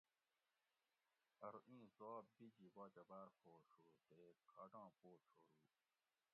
ارو ایں زواب بیجی باچہ باۤر خوش ہو تے کھاٹاں پو چھورُو